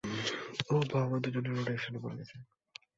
আমার বাবা-মা দুজনেই রোড এক্সিডেন্টে মারা গেছে।